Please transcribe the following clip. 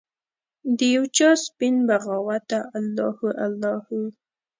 د یوچا سپین بغاوته الله هو، الله هو